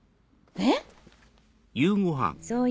えっ？